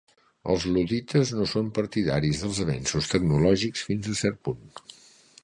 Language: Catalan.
Els luddites no són partidaris dels avenços tecnològics fins a cert punt.